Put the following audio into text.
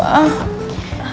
gimana sih kamu tuh